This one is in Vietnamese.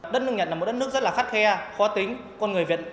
đất nước nhật là một đất nước rất là khắt khe khó tính